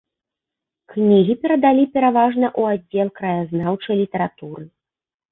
Кнігі перадалі пераважна ў аддзел краязнаўчай літаратуры.